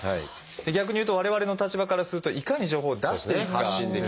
逆に言うと我々の立場からするといかに情報を出していくかですね